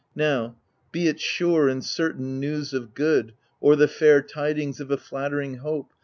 Now — be it sure and certain news of good, Or the fair tidings of a flatt'ring hope.